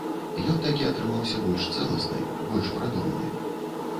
Ён такі атрымаўся больш цэласны, больш прадуманы.